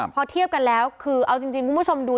พอเทียบกันแล้วคือเอาจริงคุณผู้ชมดู